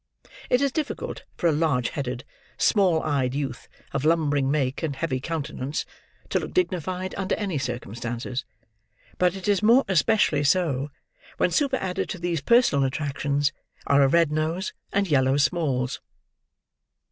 It is difficult for a large headed, small eyed youth, of lumbering make and heavy countenance, to look dignified under any circumstances; but it is more especially so, when superadded to these personal attractions are a red nose and yellow smalls.